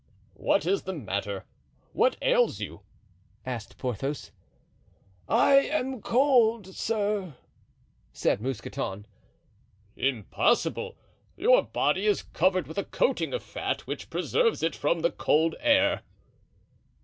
"What is the matter? what ails you?" asked Porthos. "I am cold, sir," said Mousqueton. "Impossible! your body is covered with a coating of fat which preserves it from the cold air."